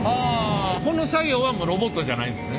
この作業はロボットじゃないんですね？